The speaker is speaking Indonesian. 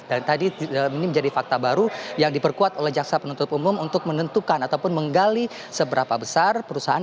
dan tadi ini menjadi fakta baru yang diperkuat oleh jaksa peruntut umum untuk menentukan ataupun menggali seberapa besar perusahaan